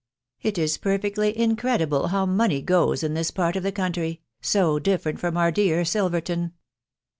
It. is perfectly incredible how money goes in this part of the country, so different from our dear SKlverton